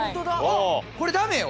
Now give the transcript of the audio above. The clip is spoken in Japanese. これダメよ。